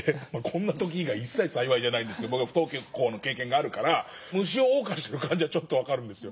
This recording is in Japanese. こんな時以外一切幸いじゃないんですけど不登校の経験があるから虫を謳歌してる感じはちょっと分かるんですよ。